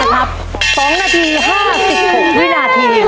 ๒นาที๕๖วินาทีครับ